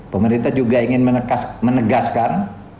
pemerintah juga ingin menegaskan